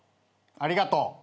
ありがとう。